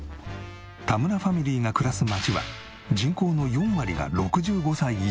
田村ファミリーが暮らす町は人口の４割が６５歳以上。